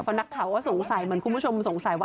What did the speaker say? เพราะนักข่าวก็สงสัยเหมือนคุณผู้ชมสงสัยว่า